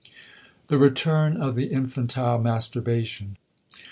*The Return of the Infantile Masturbation.